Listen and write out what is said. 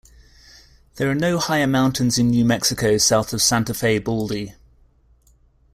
There are no higher mountains in New Mexico south of Santa Fe Baldy.